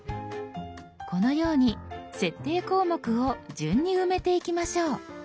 このように設定項目を順に埋めていきましょう。